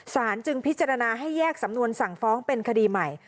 จึงพิจารณาให้แยกสำนวนสั่งฟ้องเป็นคดีใหม่